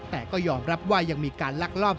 แต่ก็ยอมรับว่ายังมีการลักลอบ